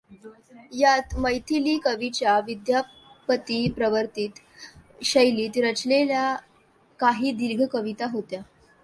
यात मैथिली कवीच्या विद्यापतीप्रवर्तित शैलीत रचलेल्या काही दीर्घ कविता होत्या.